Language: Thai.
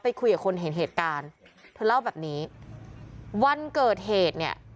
คุยกับคนเห็นเหตุการณ์เธอเล่าแบบนี้วันเกิดเหตุเนี่ย